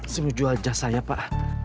semua jual jas saya pak